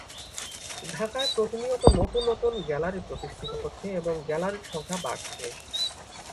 ঢাকায় প্রতিনিয়ত নতুন নতুন গ্যালারি প্রতিষ্ঠিত হচ্ছে এবং গ্যালারির সংখ্যা বাড়ছে।